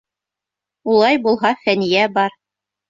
Улай булһа, Фәниә, бар!